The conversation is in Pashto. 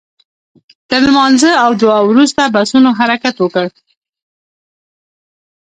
تر لمانځه او دعا وروسته بسونو حرکت وکړ.